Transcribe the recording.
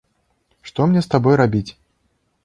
Што мне з табой рабіць?